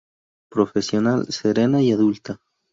Profesional, serena y adulta.